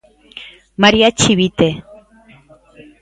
María Chivite.